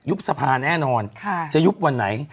ยุบสะพานแน่นอนอยุบวันไหน